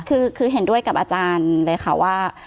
คือเห็นด้วยกับอาจารย์เลยค่ะว่า